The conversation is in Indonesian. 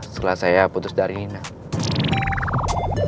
setelah saya putus darinah